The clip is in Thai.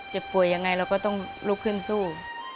เจ็บป่วยยังไงเราก็ต้องลุกขึ้นสู้